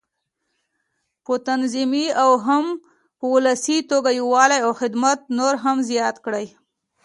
په تنظيمي او هم په ولسي توګه یووالی او خدمت نور هم زیات کړي.